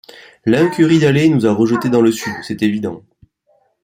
L’incurie d’Halley nous a rejetés dans le sud, c’est évident.